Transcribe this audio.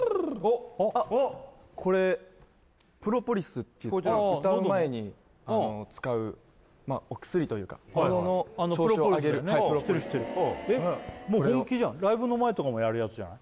あっこれプロポリスっていって歌う前に使うまあお薬というかもう本気じゃんライブの前とかもやるやつじゃない？